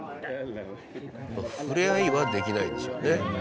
触れ合いはできないんでしょうね。